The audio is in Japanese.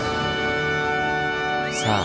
さあ